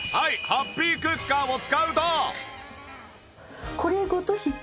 ハッピークッカーを使うと